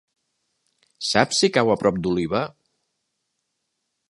Saps si cau a prop d'Oliva?